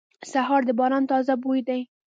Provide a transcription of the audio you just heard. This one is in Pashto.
سهار د باران تازه بوی دی.